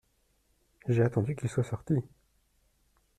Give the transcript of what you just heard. J’ai attendu qu’ils soient sortis !…